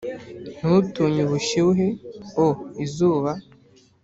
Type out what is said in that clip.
ntutinye ubushyuhe o 'izuba;